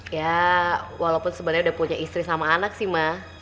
ya walaupun sebenarnya udah punya istri sama anak sih mah